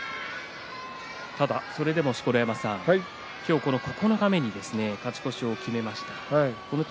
それでも今日、九日目に勝ち越しを決めました。